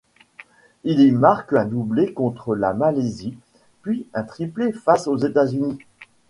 Il y marque un doublé contre la Malaisie, puis un triplé face aux États-Unis.